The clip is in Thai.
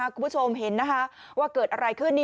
คุณผู้ชมเห็นว่าเกิดอะไรขึ้น